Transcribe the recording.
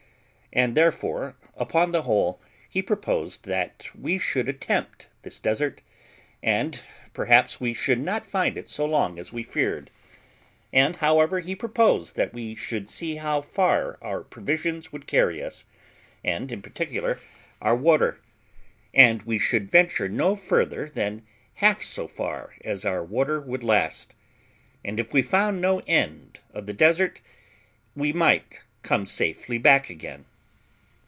And therefore, upon the whole, he proposed that we should attempt this desert, and perhaps we should not find it so long as we feared; and however, he proposed that we should see how far our provisions would carry us, and, in particular, our water; and we should venture no further than half so far as our water would last; and if we found no end of the desert, we might come safely back again.